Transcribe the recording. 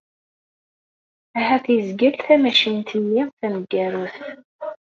Ahat yezgel tamacint-nni taneggarut.